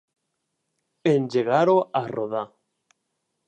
Engegar-ho a rodar.